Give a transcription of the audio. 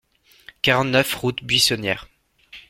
quarante-neuf route Buissonniere